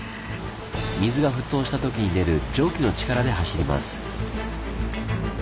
水が沸騰したときに出る蒸気の力で走ります。